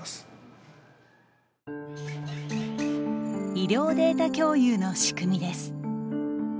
医療データ共有の仕組みです。